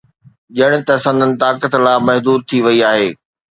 ڄڻ ته سندن طاقت لامحدود ٿي وئي آهي.